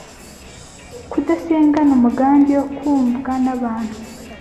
kudasengana umugambi wo kumvwa n’abantu